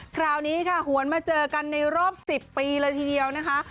คราวนี้ค่ะหวนมาเจอกันในรอบ๑๐ปีเลยทีเดียวนะคะ